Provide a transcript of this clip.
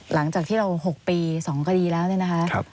หลังจากที่เรา๖ปี๒คดีแล้วเนี่ยนะคะ